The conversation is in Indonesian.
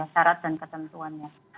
syarat dan ketentuannya